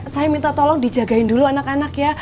saya minta tolong dijagain dulu anak anak ya